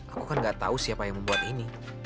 aku kan gak tahu siapa yang membuat ini